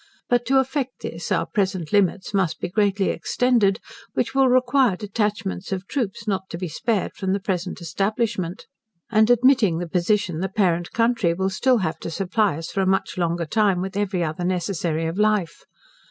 But to effect this, our present limits must be greatly extended, which will require detachments of troops not to be spared from the present establishment. And admitting the position, the parent country will still have to supply us for a much longer time with every other necessary of life.